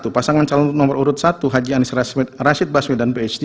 satu satu pasangan calon nomor urut satu haji anies rashid baswil dan phd